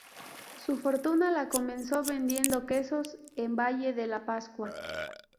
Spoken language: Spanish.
Su fortuna la comenzó vendiendo quesos en Valle de la Pascua.